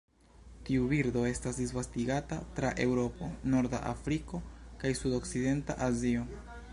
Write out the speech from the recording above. Tiu birdo estas disvastigata tra Eŭropo, norda Afriko kaj sudokcidenta Azio.